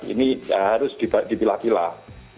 ini harus dipilah pilah